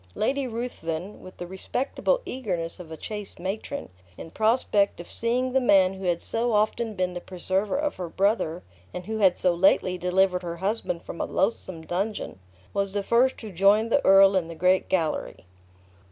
Lady Ruthven, with the respectable eagerness of a chaste matron, in prospect of seeing the man who had so often been the preserver of her brother, and who had so lately delivered her husband from a loathsome dungeon, was the first who joined the earl in the great gallery.